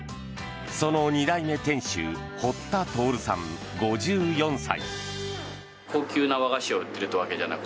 その２代目店主堀田享さん、５４歳。